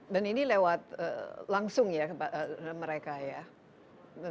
dan ini lewat langsung ya mereka ya